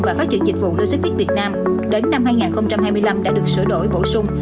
và phát triển dịch vụ logistics việt nam đến năm hai nghìn hai mươi năm đã được sửa đổi bổ sung